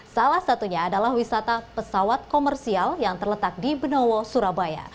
salah satunya adalah wisata pesawat komersial yang terletak di benowo surabaya